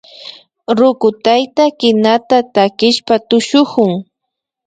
Ruku tayta kinata takishpa tushukun